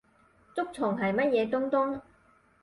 竹蟲係乜嘢東東？